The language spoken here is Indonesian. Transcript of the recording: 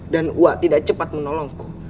dan uak tidak cepat menolongku